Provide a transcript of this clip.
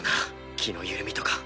気の緩みとか。